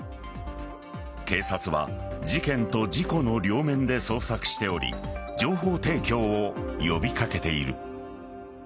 警察は事件と事故の両面で捜索しており情報提供を呼び掛けている。